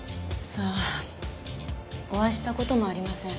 さあお会いした事もありません。